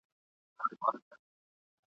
نن مي د عمر په محراب کي بتخانه لګېږې ..